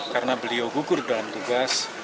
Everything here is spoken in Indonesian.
karena beliau gugur dalam tugas